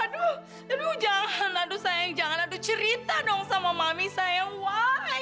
aduh aduh aduh aduh sayang jangan aduh cerita dong sama mami sayang why